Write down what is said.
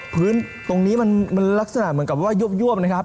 พื้นตรงนี้มันลักษณะเหมือนกับว่ายวบนะครับ